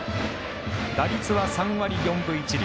打率は３割４分１厘。